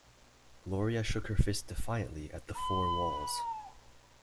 Gloria shook her fist defiantly at the four walls.